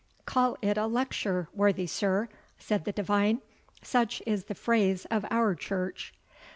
"Call it a lecture, worthy sir," said the divine, "such is the phrase of our church."